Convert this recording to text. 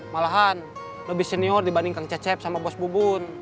malahan lebih senior dibanding kang cecep sama bos bubun